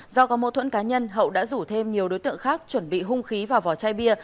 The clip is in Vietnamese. do có mô thuẫn cá nhân hậu đã rủ thêm nhiều đối tượng khác chuẩn bị hung khí và vỏ chai bia